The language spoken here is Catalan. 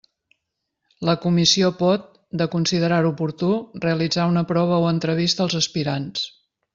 La comissió pot, de considerar-ho oportú, realitzar una prova o entrevista als aspirants.